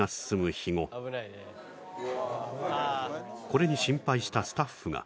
これに心配したスタッフが